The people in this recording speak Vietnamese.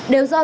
đều do xe máy